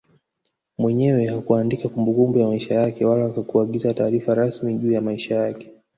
Mwenyewe hakuandika kumbukumbu ya maisha yake wala hakuagiza taarifa rasmi juu ya maisha yake